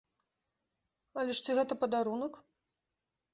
Але ж ці гэта падарунак?!